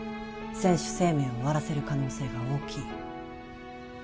選手生命を終わらせる可能性が大きい